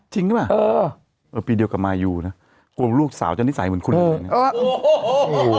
จริงใช่ไหมปีเดียวกับมายูนะโกรธลูกสาวจะนิสัยเหมือนคุณเหมือนกันเนี่ยโอ้โฮ